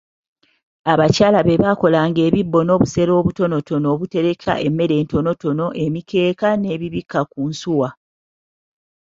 Abakyala bebakolanga ebibbo n'obusero obutono obutereka emmere entonotono, emikeeka, n'ebibikka ku nsuwa